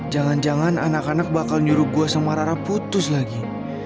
jangan jangan anak anak bakal nyuruh gua sama rara putus lagi